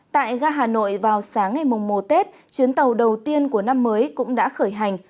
tại ga hà nội vào sáng ngày mùng mùa tết chuyến tàu đầu tiên của năm mới cũng đã khởi hành